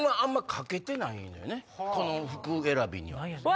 この服選びには。